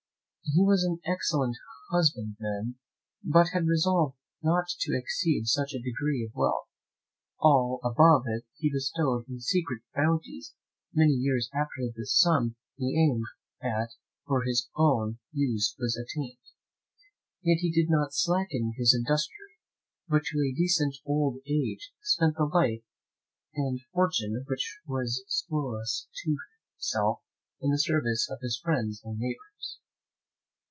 He was an excellent husbandman, but had resolved not to exceed such a degree of wealth; all above it he bestowed in secret bounties many years after the sum he aimed at for his own use was attained. Yet he did not slacken his industry, but to a decent old age spent the life and fortune which was superfluous to himself, in the service of his friends and neighbours."